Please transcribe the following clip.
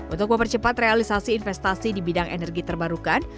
untuk mempercepat realisasi investasi di bidang energi terbarukan